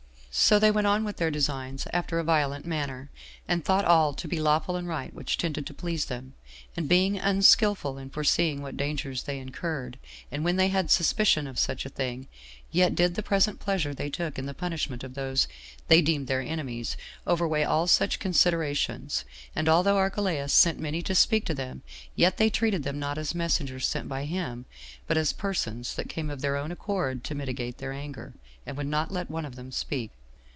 So they went on with their designs after a violent manner, and thought all to be lawful and right which tended to please them, and being unskillful in foreseeing what dangers they incurred; and when they had suspicion of such a thing, yet did the present pleasure they took in the punishment of those they deemed their enemies overweigh all such considerations; and although Archelaus sent many to speak to them, yet they treated them not as messengers sent by him, but as persons that came of their own accord to mitigate their anger, and would not let one of them speak.